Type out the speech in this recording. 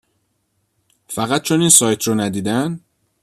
فقط چون این سایت رو ندیدن؟